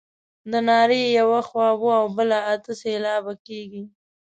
د نارې یوه خوا اووه او بله اته سېلابه کیږي.